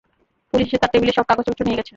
Police এসে তাঁর টেবিলের সব কাগজপত্র নিয়ে গেছে।